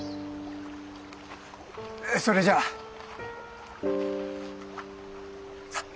それじゃあ。さあ。